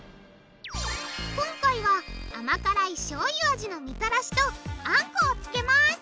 今回は甘辛いしょうゆ味のみたらしとあんこをつけます。